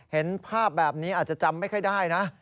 เห็นภาพแบบนี้อาจจะจำไม่ค่อยได้นะ